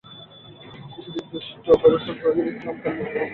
সিপিডির জ্যেষ্ঠ গবেষক তৌফিকুল ইসলাম খান মূল প্রবন্ধের বিভিন্ন দিক তুলে ধরেন।